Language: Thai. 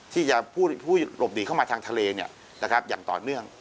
ที่จะหลบหนีเข้ามาทางทะเลอย่างต่อเนื่อง